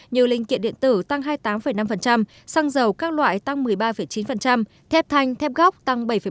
như linh kiện điện tử tăng hai mươi tám năm xăng dầu các loại tăng một mươi ba chín thép thanh thép góc tăng bảy năm